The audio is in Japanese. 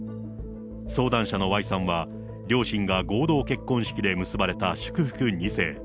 相談者のＹさんは、両親が合同結婚式で結ばれた祝福２世。